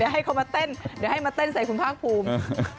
ให้เขามาเต้นเดี๋ยวให้มาเต้นใส่คุณภาคภูมิ